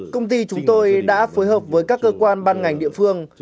công ty chúng tôi đã phối hợp với các cơ quan ban ngành địa phương